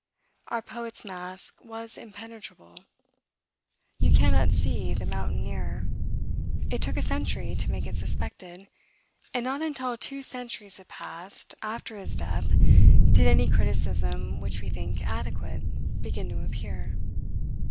Our poet's mask was impenetrable. You cannot see the mountain near. It took a century to make it suspected; and not until two centuries had passed, after his death, did any criticism which we think adequate begin to appear.